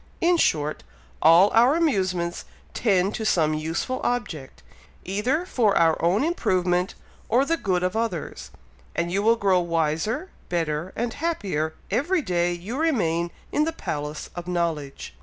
In short, all our amusements tend to some useful object, either for our own improvement or the good of others, and you will grow wiser, better, and happier every day you remain in the Palace of Knowledge."